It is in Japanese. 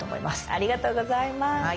ありがとうございます。